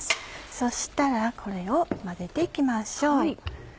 そしたらこれを混ぜて行きましょう。